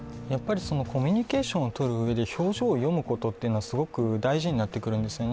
コミュニケーションをとるうえで表情を読むことというのはすごく大事になってくるんですよね。